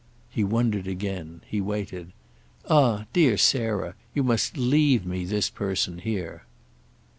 He wondered again; he waited. "Ah dear Sarah, you must leave me this person here!"